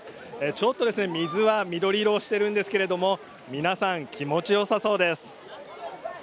ちょっと水は緑色をしているんですが皆さん、気持ちよさそうです。